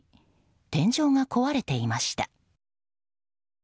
天井が壊れていました。